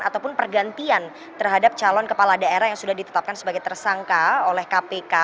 ataupun pergantian terhadap calon kepala daerah yang sudah ditetapkan sebagai tersangka oleh kpk